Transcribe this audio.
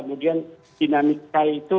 kemudian dinamika itu